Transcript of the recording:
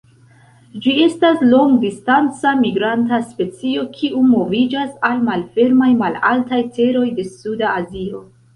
Ĝi estas longdistanca migranta specio kiu moviĝas al malfermaj malaltaj teroj de suda Azio.